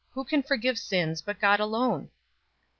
Who can forgive sins, but God alone?"